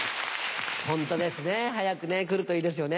ホントですね早く来るといいですよね。